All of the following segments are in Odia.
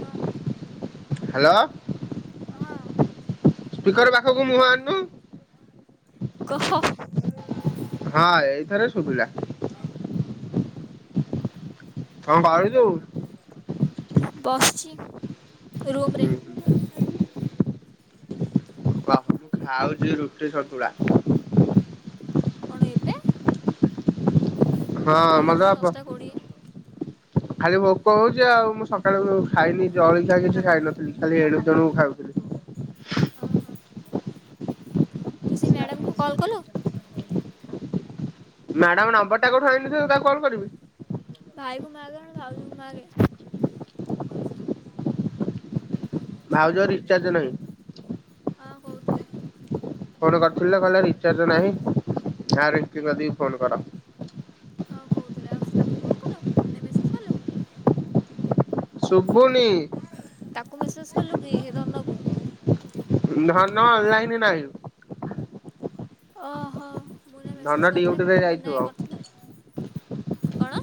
କ ହ୍ୟାଲୋ କହ। ସ୍ପିକର ପାଖକୁ ମୁହଁ ଅଣୁନୁ। କହ। ହଁ ଏଇଥେରେ ସୁଭିଲା। [unintelligible] ବସିଚି ରୁମ ରେ। କହ ମୁଁ ଖାଉଛି ରୁଟି ସନ୍ତୁଳା। କଣ ଏବେ? ହଁ କେତେଟା ହେଲାଣି ମତେ ବା ଦଶଟା କୋଡିଏ। ଖାଲି ଭୋକ ହଉଛି ଆଉ ମୁଁ ସକାଳୁ ଖାଇନି ଜଳିଖିଆ କିଛି ଖାଇନଥିଲି ଖାଲି ଏଣୁ ତେଣୁ ଖାଉଥିଲି। ଓ ହୋ। ତୁ ସେ ମ୍ୟାଡ଼ାମକୁ କଲ କଲୁ? ମ୍ୟାଡାମ ନମ୍ବର ଟା କୋଉଠୁ ଆଇଁଲି ଯେ ତାକୁ କଲ କରିବି। ଭାଇ କୁ ମାଗେ ନହେଲେ ଭାଉଜ କୁ ମାଗେ। ଭାଉଜର ରିଚାର୍ଜ ନାହିଁ। ହଁ କହୁଥିଲେ। ଫୋନ କରିଥିଲେ କହିଲେ ରିଚାର୍ଜ ନାହିଁ [unintelligible] କି ଫୋନ କର। ହଁ କହୁଥିଲେ ଆଉ ତାକୁ ଫୋନ କଲୁ ମେସେଜ କଲୁ? ଶୁଭୁନି। ତାକୁ ମେସେସ୍ କଲୁ କି ଧନ କୁ? ଧନ ଅନଲାଇନ ନାହିଁ। ଓହୋ ମୁଁ ନା ଧନ ମେସେଜ କରିଥିଲି ମୁଁ ଡ୍ୟୁଟିରେ କହିଲି ମୁନା ଯାଇଥିବ ଭାଇ କରିଥିଲା। କଣ?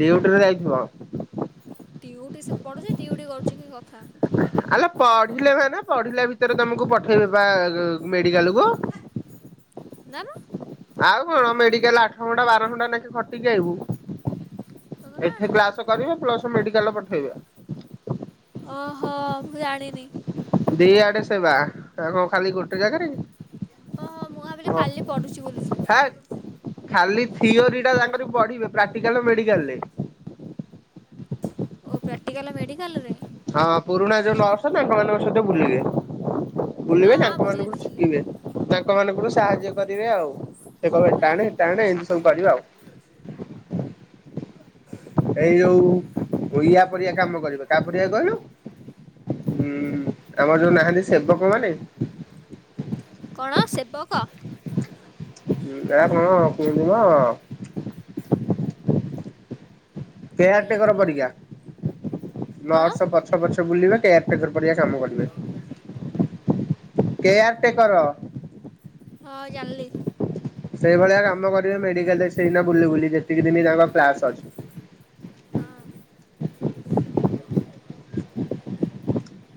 ଡିଉଟି ରେ ଯାଇଥିବ। ଡିଉଟି ସେ ପଢୁଛି ଡିଉଟି କରୁଛି କି କଥା। ଆଲୋ ପଢିଲେ ମାନେ ପଢିଲା ଭିତରେ ତମକୁ ପଠେଇବେ ବା ମେଡିକାଲ କୁ। ନା ନା ଆଉ କଣ ମେଡିକାଲ ଆଠ ଘଣ୍ଟା ବାର ଘଣ୍ଟା ନାକେ ଖଟିକି ସତ ନା ଆଇବୁ। କଣ? ଏଠି କ୍ଲାସ କରିବ ପ୍ଲସ ମେଡିକାଲ ପଠେଇବେ। ଓହୋ ମୁଁ ଜାଣିନି। ଦିଆଡେ ସେବା ଆଉ କଣ ଖାଲି ଗୋଟେ ଜାଗାରେ କି। ଓହୋ ମୁଁ ଭାବିଲି ଖାଲି ପଢୁଛି ବୋଲି ସେ। ହେ ଖାଲି ଥିଓରି ଟା ତାଙ୍କର ପଢିବେ ପ୍ରାକ୍ଟିକାଲ ମେଡିକାଲରେ। ଓ ପ୍ରାକ୍ଟିକାଲ ମେଡିକାଲ ରେ। ହଁ ପୁରୁଣା ଯୋଉ ନର୍ସ ତାଙ୍କ ମାନଙ୍କ ସହିତ ବୁଲିବେ। ଓ ବୁଲିବେ ହଁ ତାଙ୍କ ବୁଝିଲି ମାନଙ୍କଠୁ ବୁଝିଲି ଶିଖିବେ ତାଙ୍କ ମାନଙ୍କଠୁ ସାହାଯ୍ୟ କରିବେ ଆଉ। ସେ କହିବ ଆଁ ଟାଣେ ଟାଣେ ଏମିତି ସବୁ କରିବା ଆଉ। ଏଇ ଯୋଉ ଇୟା ପରିକା କାମ କରିବେ କା ପରିକା କହିଲୁ ହୁଁ ଆମର ଯୋଉ ନାହାନ୍ତି ସେବକ ମାନେ। କଣ ସେବକ? ଉଁ ଏହା କଣ। [unintelligible] ଇଏ କେୟାର କୁଆଡ଼େ ଯାଉଛି ଟେକର କିଲୋ ପରିକା। କଣ ନର୍ସ ପଛ ପଛ ବୁଲିବେ କେୟାରଟେକର ପରିକା କାମ କରିବେ। Caretaker. ହଁ ଜାଣିଲି। ସେଇଭଳିଆ କାମ କରିବେ ମେଡିକାଲରେ ସେଇନା ବୁଲି ବୁଲି ଯେତିକି ଦିନି ତାଙ୍କ କ୍ଲାସ ଅଛି। ହଁ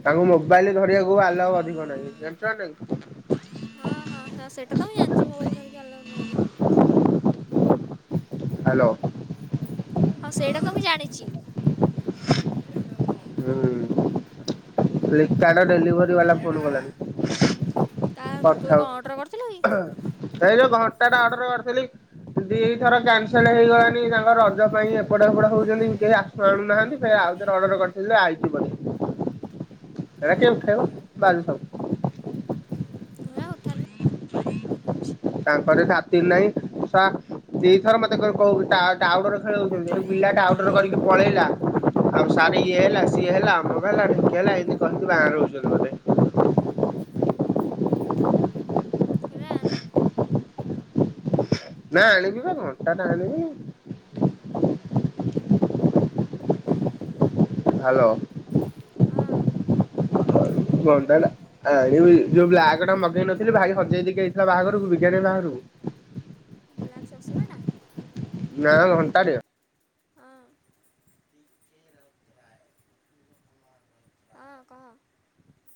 ତାଙ୍କୁ ମୋବାଇଲି ଧରିବାକୁ ଆଲାଓ ଅଧିକ ନାହିଁ, ଜାଣିଛ ନାଇଁ। ହଁ ହଁ ହଁ ସେଟା ତ ମୁଁ ଜାଣିଛି ମୋବାଇଲ ଧରିକି ଆଲାଓ ନାଇଁ ଅଧିକ। ହ୍ୟାଲୋ। ସବୁ ଜାଣିଛି। ହୁଁ ଲିକା ଡେଲିଭରି ବାଲା ଫୋନ କଲାଣି କାହାକୁ ତୁ କରିଥାଉ। କଣ ଅର୍ଡ଼ର କରିଥିଲୁ କି ଅହ। ଏଇ ଯୋଉ ଘଣ୍ଟା ଟା ଅର୍ଡର କରିଥିଲି ଦି ଥର କ୍ୟାନସେଲ ହେଇଗଲାଣି ତାଙ୍କର ଯବ ପାଇଁ କି ଏପଟ ଏପଟ ହଉଛନ୍ତି। କେହି ଆସୁ ଆଣୁନାହାନ୍ତି ସେ ଆଉଥରେ ଅର୍ଡର କରିଥିଲେ ଆଇଛି ବଧେ। ହେଟା କେ ଆଉ ଖାଇବ ଭାଜ ସବୁ। ହେଁ ଉଠାନି ମ। ଉଠୁଛି। ତାଙ୍କର ଛାତି ନାଇଁ ସା ଦିଥର ମତେ କ କଉ ଟା ଟାଉଟର ଖେଳଉଛନ୍ତି, ପିଲା ଟା ଆଉଟର କରିକି ପଳେଇଲା। ଆଉ ସାରିକି ଇଏ ହେଲା, ସିଏ ହେଲା, ଅମୁକ ହେଲା, ଢିମକି ହେଲା ଏନ୍ତି କହିକି ବା [unintelligible] ଛନ୍ତି ମୋତେ। ରାନୀ। ନା ଆଣିବି ବା ଘଣ୍ଟା ଟା ଆଣିବି। ହ୍ୟାଲୋ। ହଁ ଘଣ୍ଟା ଟା ଆଣିବି। ଯୋଉ ବ୍ଲାକଟା ମ ଦେଇ ନଥିଲି। ଭାଇ ହଜେଇ ଦେଇକି ଆଇଥିଲା ବାହାଘରୁକୁ। ବିଜ୍ଞାନୀ ବାହାରୁ ବ୍ଲାକ ଚଷମା ଟା। ନା ଘଣ୍ଟାଟେ ଆ ହଁ କହ